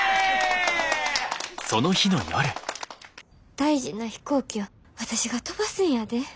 大事な飛行機を私が飛ばすんやで。